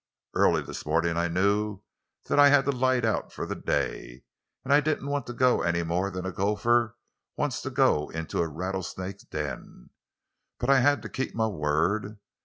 "Early this morning I knew I had to light out for the day, and I didn't want to go any more than a gopher wants to go into a rattlesnake's den. But I had to keep my word.